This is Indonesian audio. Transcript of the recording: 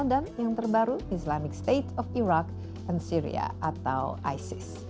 dan yang terbaru islamic state of iraq and syria atau isis